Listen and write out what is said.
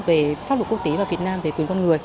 về pháp luật quốc tế và việt nam về quyền con người